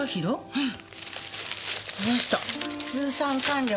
うん？